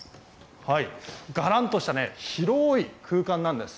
がらんとした広い空間なんです。